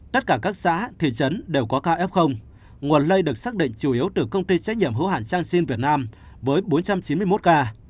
tất cả các xã thị trấn đều có ca f nguồn lây được xác định chủ yếu từ công ty trách nhiệm hữu hạn chang sinh việt nam với bốn trăm chín mươi một ca